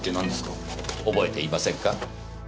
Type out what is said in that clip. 覚えていませんか？